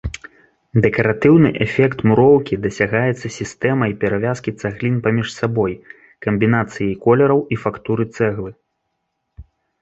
Дэкаратыўны эфект муроўкі дасягаецца сістэмай перавязкі цаглін паміж сабой, камбінацыяй колераў і фактуры цэглы.